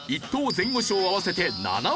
・前後賞合わせて７億円。